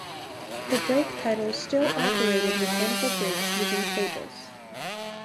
The brake pedal still operated mechanical brakes using cables.